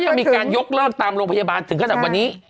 ยังมีการยกเลิกตามโรงพยาบาลถึงขนาดวันนี้